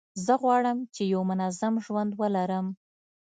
زه غواړم چي یو منظم ژوند ولرم.